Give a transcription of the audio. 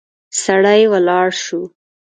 سړی ولاړ شو.